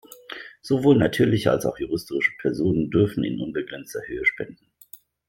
Sowohl natürliche als auch juristische Personen dürfen in unbegrenzter Höhe spenden.